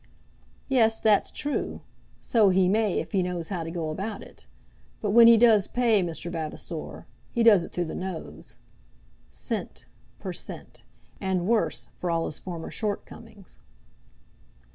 "Yes; that's true. So he may, if he knows how to go about it. But when he does pay, Mr. Vavasor, he does it through the nose; cent. per cent., and worse, for all his former shortcomings."